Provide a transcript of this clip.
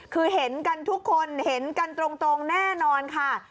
คือเห็นกันทุกคนเห็นกันตรงแน่นอนค่ะ